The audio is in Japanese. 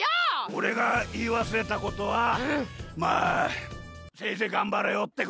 おれがいいわすれたことはまあせいぜいがんばれよってことだ！